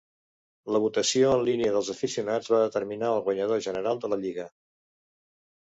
La votació en línia dels aficionats va determinar el guanyador general de la Lliga.